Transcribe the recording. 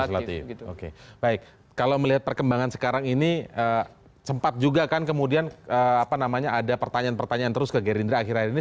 oke baik kalau melihat perkembangan sekarang ini sempat juga kan kemudian ada pertanyaan pertanyaan terus ke gerindra akhir akhir ini